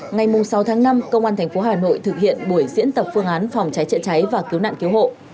ngày sáu tháng năm công an tp hà nội thực hiện buổi diễn tập phương án phòng cháy chữa cháy và cứu nạn cứu hộ